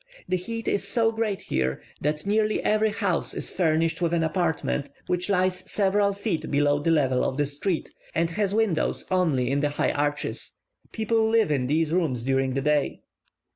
The heat is so great here, that nearly every house is furnished with an apartment, which lies several feet below the level of the street, and has windows only in the high arches. People live in these rooms during the day.